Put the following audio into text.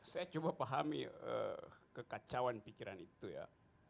saya coba pahami kekacauan pikiran itu ya